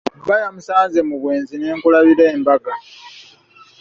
Bba yamusanze mu bwenzi ne nkulabira embaga.